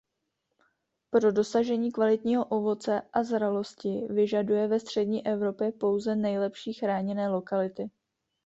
Pro dosažení kvalitního ovoce a zralosti vyžaduje ve střední Evropě pouze nejlepší chráněné lokality.